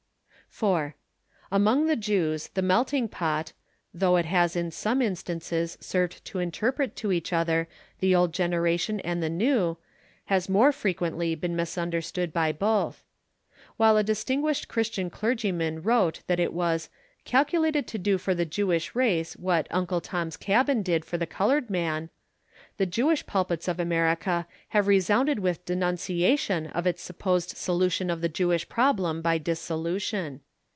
IV Among the Jews The Melting Pot, though it has in some instances served to interpret to each other the old generation and the new, has more frequently been misunderstood by both. While a distinguished Christian clergyman wrote that it was "calculated to do for the Jewish race what 'Uncle Tom's Cabin' did for the coloured man," the Jewish pulpits of America have resounded with denunciation of its supposed solution of the Jewish problem by dissolution.